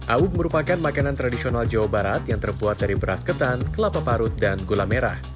awuk merupakan makanan tradisional jawa barat yang terbuat dari beras ketan kelapa parut dan gula merah